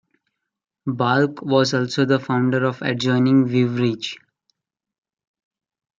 Balch was also the founder of adjoining View Ridge.